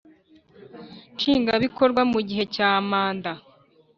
Nshingwa bikorwa mu gihe cya manda